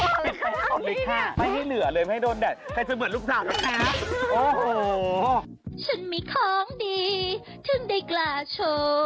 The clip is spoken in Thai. ไม่พอเลยค่ะทั้งนี้เนี้ยไม่ให้เหลือเลยไม่ให้โดนแต่ใครจะเหมือนลูกสาวแบบนี้นะโอ้โห